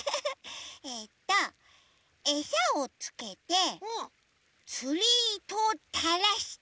えっとえさをつけてつりいとをたらして。